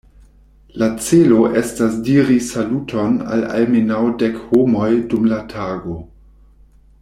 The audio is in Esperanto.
La celo estas diri saluton al almenaŭ dek homoj dum la tago.